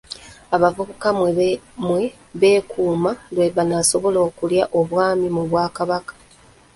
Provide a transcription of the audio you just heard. Abavubuka bwe beekuuma lwe banaasobola okulya Obwami mu Bwakabaka.